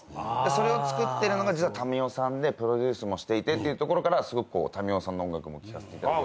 それを作ってるのが民生さんでプロデュースもしていてっていうところから民生さんの音楽も聞かせていただくようになって。